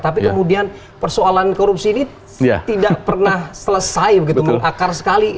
tapi kemudian persoalan korupsi ini tidak pernah selesai begitu mengakar sekali